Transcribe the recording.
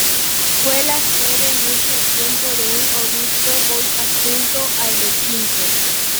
Fue la sede mucho tiempo de un obispo hoy adjunto al de Quimper.